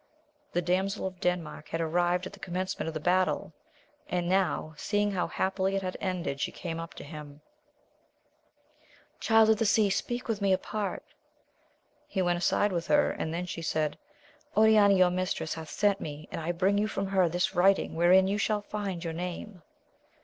The damsel of Denmark had arrived at the commencement of the battle, and now, seeing how happily it had ended, she came up to him ;— Child of the Sea, speak with me apart. He went aside with her, and then she said, Oriana, your mistress, hath sent me, and I bring you from her this.writing wherein you shall find your name.